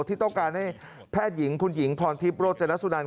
ที่ต้องการให้แพทย์หญิงคุณหญิงพรทิพย์โรจนสุนัน